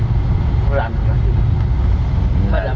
không làm được gì